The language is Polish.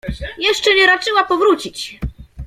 — Jeszcze nie raczyła powrócić!